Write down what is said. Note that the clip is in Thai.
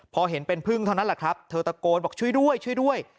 พอเห็นเป็นพึ่งเท่านั้นแหละครับเธอตะโกนบอกช่วยด้วยช่วยด้วย